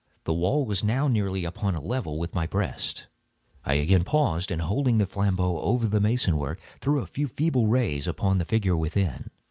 The wall was now nearly upon a level with my breast. I again paused, and holding the flambeaux over the mason work, threw a few feeble rays upon the figure within.